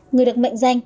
người được mệnh danh